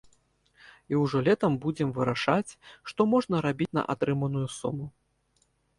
І ўжо летам будзем вырашаць, што можна рабіць за атрыманую суму.